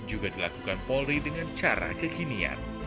juga dilakukan polri dengan cara kekinian